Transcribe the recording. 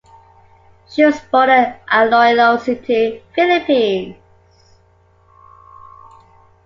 She was born in Iloilo City, Philippines.